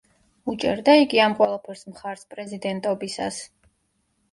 უჭერდა იგი ამ ყველაფერს მხარს პრეზიდენტობისას?